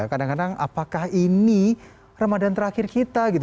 kadang kadang apakah ini ramadan terakhir kita gitu